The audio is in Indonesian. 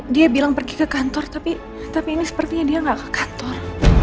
dia bilang pergi ke kantor tapi ini sepertinya dia nggak ke kantor